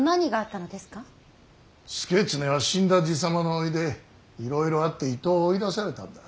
祐経は死んだ爺様の甥でいろいろあって伊東を追い出されたんだ。